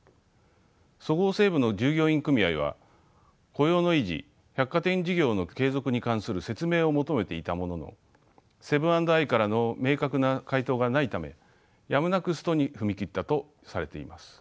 そごう・西武の従業員組合は雇用の維持百貨店事業の継続に関する説明を求めていたもののセブン＆アイからの明確な回答がないためやむなくストに踏み切ったとされています。